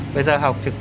tiểu trước con mẹ